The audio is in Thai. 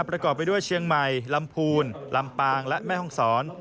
ประกอบไปด้วยเชียงใหม่ลำพูนลำปางและแม่ห้องศร